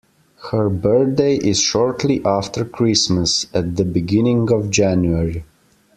Her birthday is shortly after Christmas, at the beginning of January